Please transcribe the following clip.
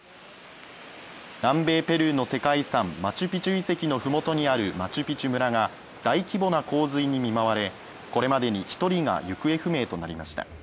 南米ペルーの世界遺産マチュピチュ遺跡のふもとにあるマチュピチュ村が大規模な洪水に見舞われ、これまでに１人が行方不明となりました。